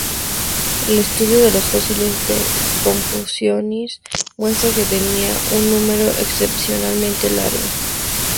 El estudio de los fósiles de "Confuciusornis" muestra que tenía un húmero excepcionalmente largo.